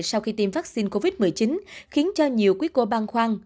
sau khi tiêm vaccine covid một mươi chín khiến cho nhiều quý cô băng khoăn